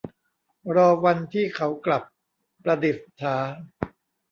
รอวันที่เขากลับ - ประดิษฐา